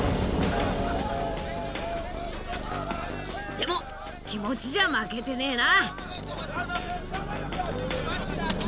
でも気持ちじゃ負けてねぇな。